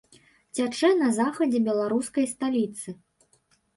Цячэ на захадзе беларускай сталіцы.